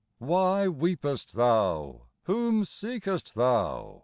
" Why weepest thou ? Whom seekest thou